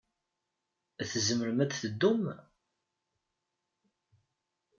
Tzemrem ad teddum?